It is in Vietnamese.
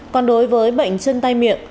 còn đối với bệnh chân tay miệng